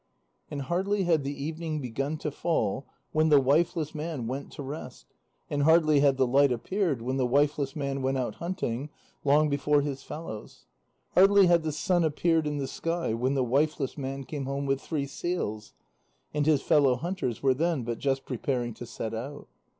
And hardly had the evening begun to fall when the wifeless man went to rest, and hardly had the light appeared when the wifeless man went out hunting, long before his fellows. Hardly had the sun appeared in the sky, when the wifeless man came home with three seals. And his fellow hunters were then but just preparing to set out.